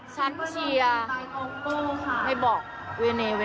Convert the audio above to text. ฉันเชียร์ให้บอกเวเน